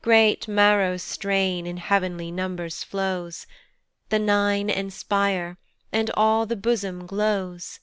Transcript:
Great Maro's strain in heav'nly numbers flows, The Nine inspire, and all the bosom glows.